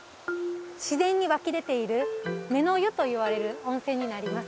自然に湧き出ている目の湯といわれる温泉になります。